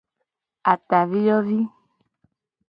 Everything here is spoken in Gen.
Ataviyovi.